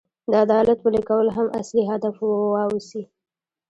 د عدالت پلي کول هم اصلي هدف واوسي.